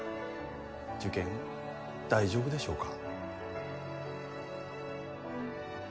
受験大丈夫でしょうか